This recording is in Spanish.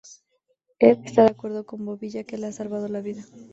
Ed está de acuerdo con Bobby, ya que le ha salvado la vida.